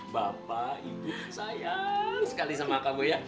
bapak ibu saya sekali sama kamu ya